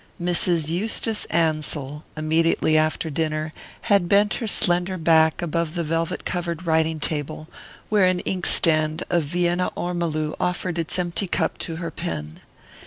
Mrs. Eustace Ansell, immediately after dinner, had bent her slender back above the velvet covered writing table, where an inkstand of Vienna ormolu offered its empty cup to her pen.